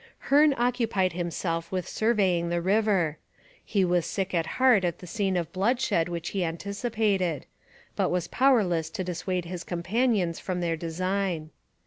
Hearne occupied himself with surveying the river. He was sick at heart at the scene of bloodshed which he anticipated, but was powerless to dissuade his companions from their design.